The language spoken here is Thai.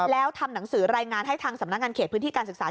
แล้วทำหนังสือรายงานให้ทางสำนักงานเขตพื้นที่การศึกษา